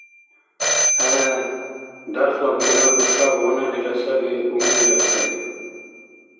– ГӀе. Дярхъла бухӀнаб нушаб ваналира саби, умулира саби.